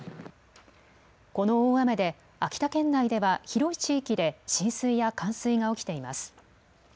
この大雨で秋田県内では広い地域で浸水や冠水が起きています。